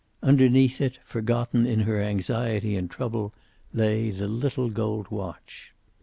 Underneath it, forgotten in her anxiety and trouble, lay the little gold watch.